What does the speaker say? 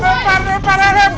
hai adam adam